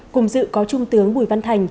cùng dự có trung tướng bùi văn thành